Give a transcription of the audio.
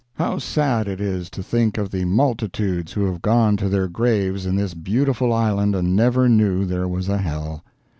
How sad it is to think of the multitudes who have gone to their graves in this beautiful island and never knew there was a hell!